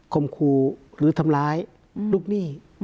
คมครูหรือทำร้ายลูกหนี้